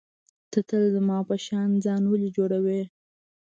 ته تل زما په شان ځان ولي جوړوې.